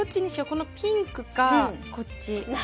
このピンクかこっち。